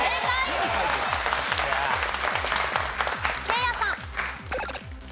せいやさん。